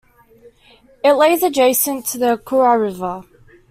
It lays adjacent to the Kura River.